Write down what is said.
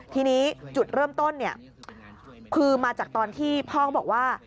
ทีนี้จุดเริ่มต้นคือมาจากตอนที่พ่อบอกว่า